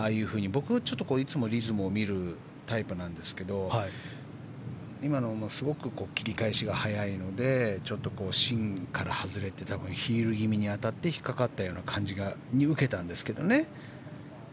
僕はいつもリズムを見るタイプなんですけど今のはすごく切り返しが早いのでちょっと芯から外れてヒール気味に当たって引っかかった感じを受けたんですが。